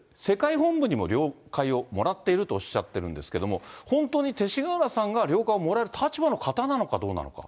で、これは世界本部にも了解をもらっているとおっしゃっているんですけれども、本当に勅使河原さんが了解をもらえる立場の方なのかどうか。